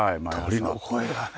鳥の声がね。